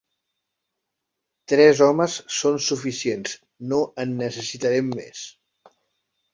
Tres homes són suficients: no en necessitarem més.